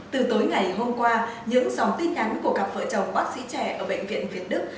từ tối ngày hôm qua những dòng tin nhắn của cặp vợ chồng bác sĩ trẻ ở bệnh viện việt đức